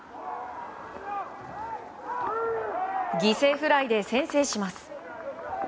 犠牲フライで先制します。